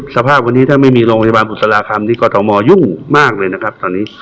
สภาพวันนี้ถ้าไม่มีโรงพยาบาลบุสลาครรมก็บุกต่อโมยุ่งมากเลยนะครับ